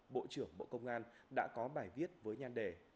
bộ trưởng bộ công an đã có bài viết với nhan đề